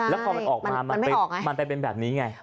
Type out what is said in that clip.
แล้วพอมันออกมามันไปเป็นแบบนี้ไง